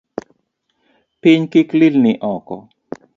Piny kik lilni oko